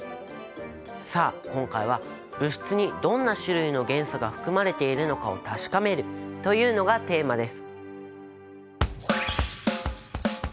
さあ今回は物質にどんな種類の元素が含まれているのかを確かめるというのがテーマです。